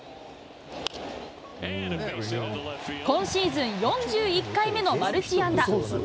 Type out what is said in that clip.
今シーズン４１回目のマルチ安打。